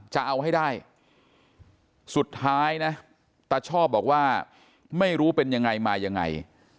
จะเอาให้ได้สุดท้ายนะตาชอบบอกว่าไม่รู้เป็นยังไงมายังไง